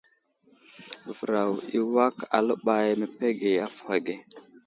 Vəraw i awak aləɓay məpege avohw age.